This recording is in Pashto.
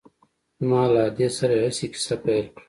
زما له ادې سره يې هسې کيسه پيل کړه.